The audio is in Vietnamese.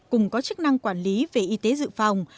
cùng có chức năng quản lý về y tế dự phòng